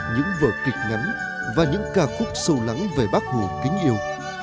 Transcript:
những vở kịch ngắn và những ca khúc sâu lắng về bác hồ kính yêu